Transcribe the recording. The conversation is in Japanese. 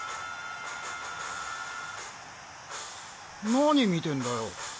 何観てんだよ？